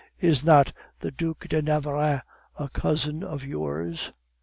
Is not the Duc de Navarreins a cousin of yours?